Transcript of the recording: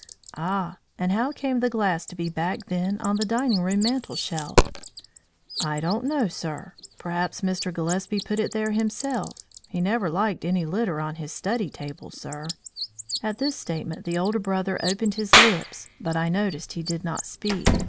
"Ah, and how came the glass to be back then on the dining room mantel shelf?" "I don't know, sir. Perhaps Mr. Gillespie put it there himself. He never liked any litter on his study table, sir." At this statement the older brother opened his lips, but I noticed he did not speak.